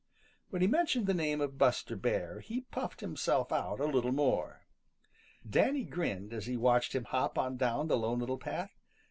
When he mentioned the name of Buster Bear, he puffed himself out a little more. Danny grinned as he watched him hop on down the Lone Little Path.